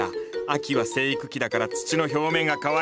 秋は生育期だから土の表面が乾いたら。